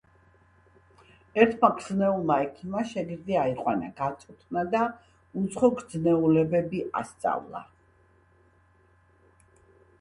ერთმა გრძნეულმა ექიმმა შეგირდი აიყვანა, გაწვრთნა და უცხო გრძნეულებები ასწავლა.